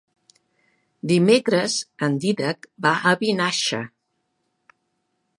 Dimecres en Dídac va a Vinaixa.